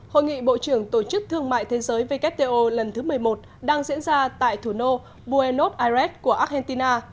hội nghị bộ trưởng tổ chức thương mại thế giới wto lần thứ một mươi một đang diễn ra tại thủ đô buenos aires của argentina